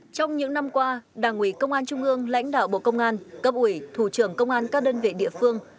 trong những năm qua đảng ủy công an trung ương lãnh đạo bộ công an cấp ủy thủ trưởng công an các đơn vị địa phương